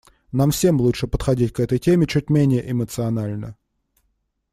Нам всем лучше подходить к этой теме чуть менее эмоционально.